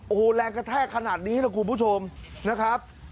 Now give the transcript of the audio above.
โอ้โฮรแรงแกะแท่กขนาดนี้นะครัวประสุทธิ์ทุกคุณผู้ชม